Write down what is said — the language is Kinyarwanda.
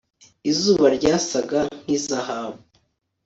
Izuba ryasaga nkizahabu